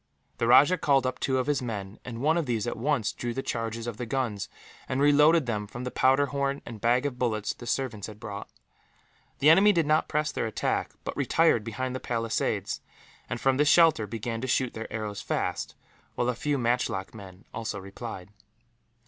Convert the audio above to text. The rajah called up two of his men, and one of these at once drew the charges of the guns, and reloaded them from the powder horn and bag of bullets the servants had brought. The enemy did not press their attack, but retired behind the palisades and, from this shelter, began to shoot their arrows fast, while a few matchlock men also replied.